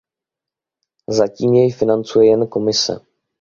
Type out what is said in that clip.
Zatím jej financuje jen Komise.